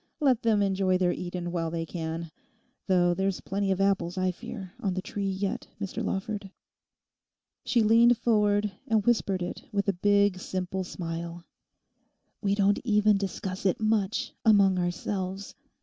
Let them enjoy their Eden while they can; though there's plenty of apples, I fear, on the Tree yet, Mr Lawford.' She leant forward and whispered it with a big, simple smile:—'We don't even discuss it much among ourselves.